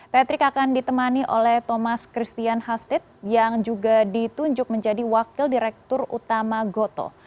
patrick akan ditemani oleh thomas christian hastid yang juga ditunjuk menjadi wakil direktur utama gotoh